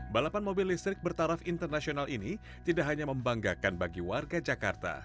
balapan mobil listrik bertaraf internasional ini tidak hanya membanggakan bagi warga jakarta